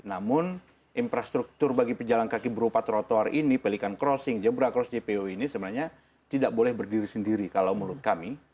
namun infrastruktur bagi pejalan kaki berupa trotoar ini pelikan crossing jebrak cross jpo ini sebenarnya tidak boleh berdiri sendiri kalau menurut kami